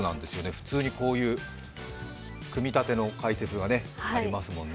普通に、こういう組み立ての解説がありますもんね。